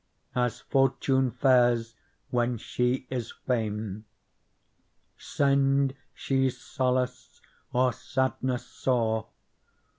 As fortune fares when she is fain. Send she solace or sadness sore.